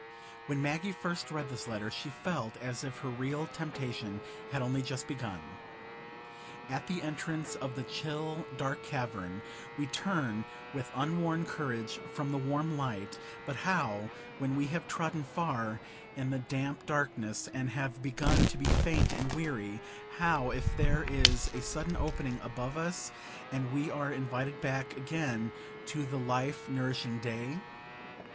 When Maggie first read this letter she felt as if her real temptation had only just begun. At the entrance of the chill dark cavern, we turn with unworn courage from the warm light; but how, when we have trodden far in the damp darkness, and have begun to be faint and weary; how, if there is a sudden opening above us, and we are invited back again to the life nourishing day?